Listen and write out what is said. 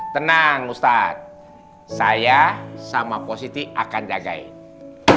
tenang ustadz saya sama positi akan jagain